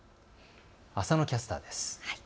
浅野キャスターです。